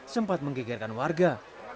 sempat menggegarkan warga